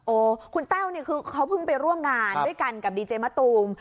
คุณแต้วนี่คือเขาเพิ่งไปร่วมงานด้วยกันกับดีเจมะตูม